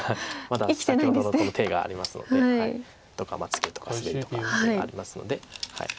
まだ先ほどのこの手がありますので。とかツケとかスベリとかっていうのありますので。